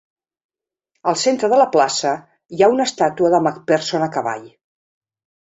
Al centre de la plaça hi ha una estàtua de McPherson a cavall.